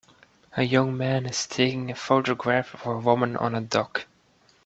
A young man is taking a photograph of a woman on a dock.